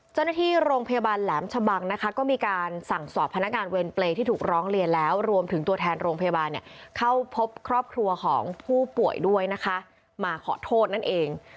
เจ้าหน้าที่โรงพยาบาลแหลมชะบังนะคะก็มีการสั่งสอบพนักงานเวรเปรย์ที่ถูกร้องเรียนแล้วรวมถึงตัวแทนโรงพยาบาลเนี่ยเข้าพบครอบครัวของผู้ป่วยด้วยนะคะมาขอโทษนั่นเอง